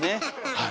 はい。